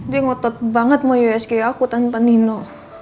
dia ngotot banget mau usg aku tanpa nino